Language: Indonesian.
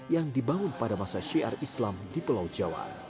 yang dibangun pada masa syiar islam di pulau jawa